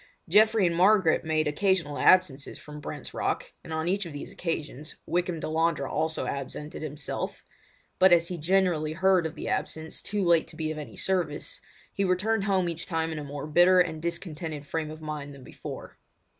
Geoffrey and Margaret made occasional absences from Brent's Rock, and on each of these occasions Wykham Delandre also absented himself; but as he generally heard of the absence too late to be of any service, he returned home each time in a more bitter and discontented frame of mind than before.